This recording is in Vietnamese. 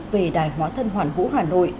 về đài hóa thân hoàn vũ hà nội